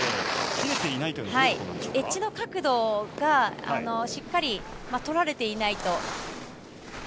というのは、エッジの角度がしっかり取られていないと。